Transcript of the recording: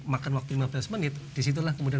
makan waktu lima belas menit disitulah kemudian